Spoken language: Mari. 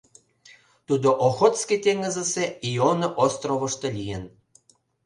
Тудо Охотский теҥызысе Ионы островышто лийын.